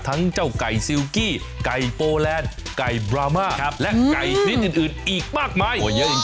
ทั้งเจ้าไก่ซิลกี้ไก่โปแลนด์ไก่บรามาและไก่ชนิดอื่นอีกมากมาย